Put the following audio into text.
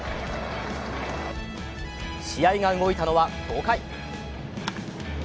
試合が動いたのは５回。